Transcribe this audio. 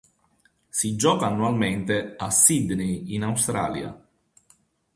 Si gioca annualmente a Sydney in Australia.